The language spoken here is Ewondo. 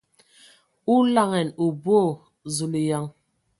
O laŋanǝ o boo ! Zulǝyaŋ!